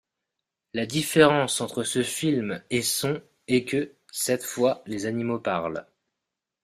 La différence entre ce film et son est que, cette fois, les animaux parlent.